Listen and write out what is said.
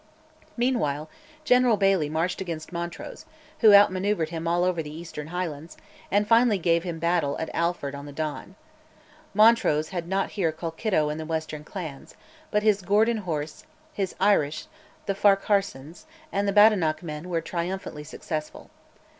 Meanwhile General Baillie marched against Montrose, who outmanoeuvred him all over the eastern Highlands, and finally gave him battle at Alford on the Don. Montrose had not here Colkitto and the western clans, but his Gordon horse, his Irish, the Farquharsons, and the Badenoch men were triumphantly successful.